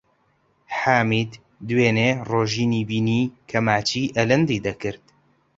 حامید دوێنێ ڕۆژینی بینی کە ماچی ئەلەندی دەکرد.